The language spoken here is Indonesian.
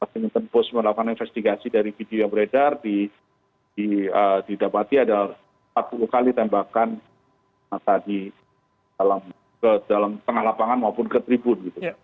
washington post melakukan investigasi dari video yang beredar didapati ada empat puluh kali tembakan mata di dalam tengah lapangan maupun ke tribun